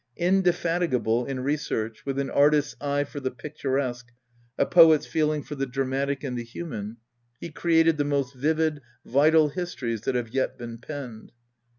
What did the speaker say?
Indefatigable in re search, with an artist's eye for the picturesque, a poet's feeling for the dramatic and the human, he created the most vivid, vital histories that have yet been penned.